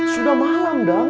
sudah malem dang